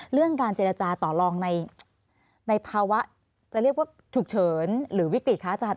เรื่องการเจรจาต่อลองในภาวะจะเรียกว่าฉุกเฉินหรือวิติคะอาจารย